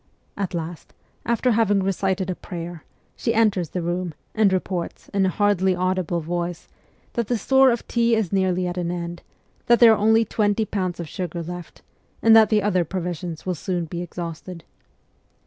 At last, after having recited a prayer, she enters the room, and reports, in a hardly audible voice, that the store of tea is nearly at an end, that there are only twenty pounds of sugar left, and that the other provisions will soon be exhausted.